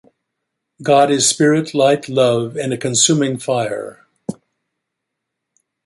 God is Spirit, Light, Love, and a Consuming Fire